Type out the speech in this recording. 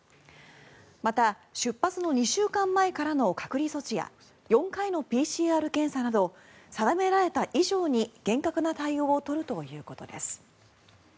また、出発の２週間前からの隔離措置や４回のＰＣＲ検査など定められた以上に厳格な対応を取るということです。